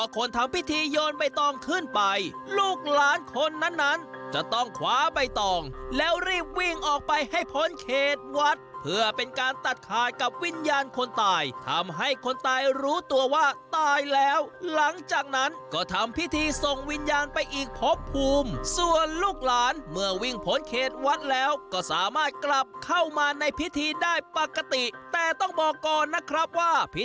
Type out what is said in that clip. คนทำพิธีโยนใบตองขึ้นไปลูกหลานคนนั้นนั้นจะต้องคว้าใบตองแล้วรีบวิ่งออกไปให้พ้นเขตวัดเพื่อเป็นการตัดขาดกับวิญญาณคนตายทำให้คนตายรู้ตัวว่าตายแล้วหลังจากนั้นก็ทำพิธีส่งวิญญาณไปอีกพบภูมิส่วนลูกหลานเมื่อวิ่งพ้นเขตวัดแล้วก็สามารถกลับเข้ามาในพิธีได้ปกติแต่ต้องบอกก่อนนะครับว่าพิ